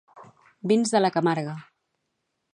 Vins de la Camarga